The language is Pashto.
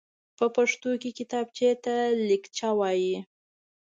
په پښتو کې کتابچېته ليکچه وايي.